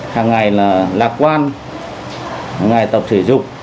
hàng ngày là lạc quan ngày tập thể dục